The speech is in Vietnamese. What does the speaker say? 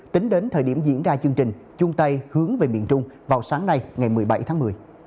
tính đến thời điểm diễn ra chương trình chung tay hướng về miền trung vào sáng nay ngày một mươi bảy tháng một mươi